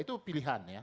itu pilihan ya